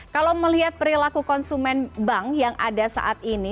kalau melihat perilaku konsumen bank yang ada saat ini